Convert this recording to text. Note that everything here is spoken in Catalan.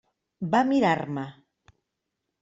Va mirar-me.